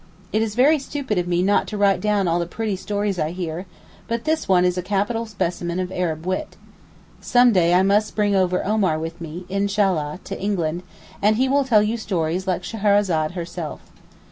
It is very stupid of me not to write down all the pretty stories I hear, but this one is a capital specimen of Arab wit. Some day I must bring over Omar with me, Inshallah, to England, and he will tell you stories like Scheherazade herself.